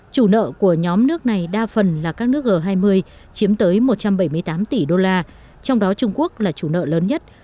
chủ nợ của nhóm nước này đa phần là các nước g hai mươi chiếm tới một trăm bảy mươi tám tỷ đô la trong đó trung quốc là chủ nợ lớn nhất